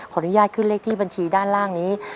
อนุญาตขึ้นเลขที่บัญชีด้านล่างนี้